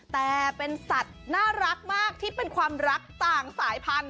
แต่เป็นสัตว์น่ารักมากที่เป็นความรักต่างสายพันธุ